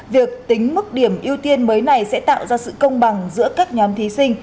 việc tính mức điểm ưu tiên mới này sẽ tạo ra sự công bằng giữa các nhóm thí sinh